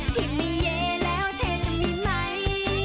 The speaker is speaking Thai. ที่มีเย้แล้วเธอจะมีไหม